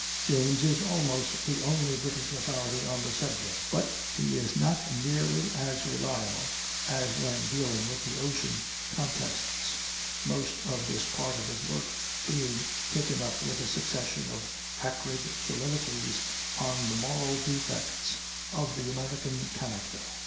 James is almost the only British authority on the subject; but he is not nearly as reliable as when dealing with the ocean contests, most of this part of his work being taken up with a succession of acrid soliloquies on the moral defects of the American character.